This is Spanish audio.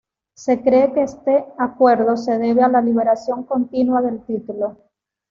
Se cree que este acuerdo se debe a la liberación continua del título.